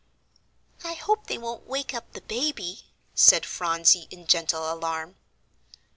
"I hope they won't wake up the baby," said Phronsie, in gentle alarm.